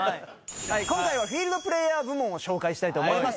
今回はフィールドプレーヤー部門を紹介したいと思います。